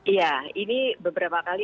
iya ini beberapa kali